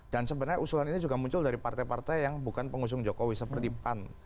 dan sebenarnya usulan ini muncul dari partai partai yang bukan pengusung jokowi seperti pan